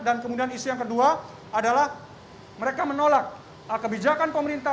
dan kemudian isu yang kedua adalah mereka menolak kebijakan pemerintah